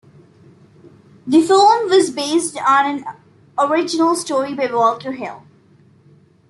The film was based on an original story by Walter Hill.